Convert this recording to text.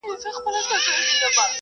زه به اوږده موده لوښي وچولي وم،